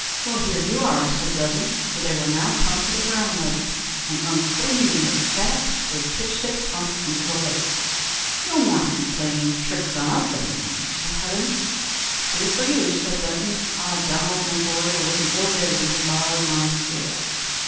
"Well, here you are," said Dudden, for they were now come to the Brown Lake, and, unslinging the sack, they pitched it plump into the lake. "You'll not be playing your tricks on us any longer," said Hudden. "True for you," said Dudden. "Ah, Donald, my boy, it was an ill day when you borrowed my scales."